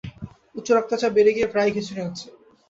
উচ্চ রক্তচাপ বেড়ে গিয়ে প্রায়ই খিঁচুনি হচ্ছে।